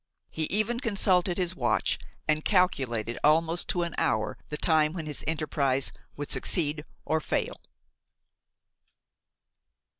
He even consulted his watch and calculated almost to an hour the time when his enterprise would succeed or fail.